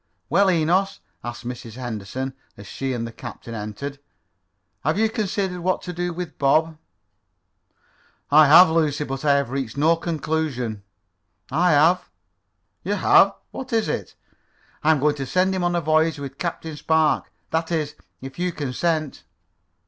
"Well, Enos," asked Mrs. Henderson, as she and the captain entered, "have you considered what to do with Bob?" "I have, Lucy, but I have reached no conclusion." "I have." "You have? What is it?" "I am going to send him on a voyage with Captain Spark. That is, if you consent."